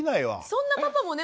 そんなパパもね